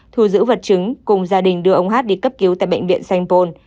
thu giữ vật chứng cùng gia đình đưa ông hát đi cấp cứu tại bệnh viện saint paul